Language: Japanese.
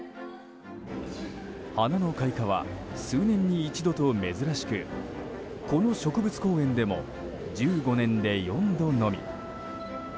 花の開花は、数年に一度と珍しくこの植物公園でも１５年で４度のみ。